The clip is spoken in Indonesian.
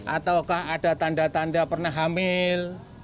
ataukah ada tanda tanda pernah hamil